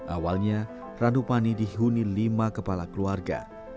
awalnya ranupani dihuni lima kepala keluarga